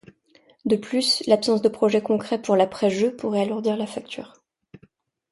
De plus, l'absence de projet concret pour l'après Jeux pourrait alourdir la facture.